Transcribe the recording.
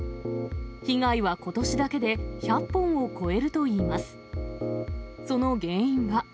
被害はことしだけで１００本を超えるといいます。